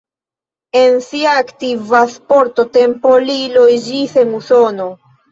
En sia aktiva sporta tempo li loĝis en Usono.